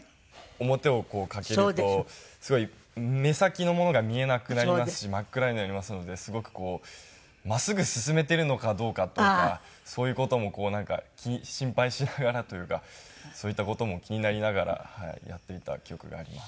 面をかけるとすごい目先のものが見えなくなりますし真っ暗になりますのですごくこう真っすぐ進めているのかどうかとかそういう事も心配しながらというかそういった事も気になりながらやっていた記憶があります。